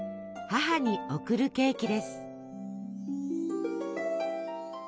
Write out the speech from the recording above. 母に贈るケーキです。